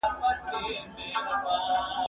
زه سندري اورېدلي دي!.